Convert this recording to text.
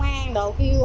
thời gian đó không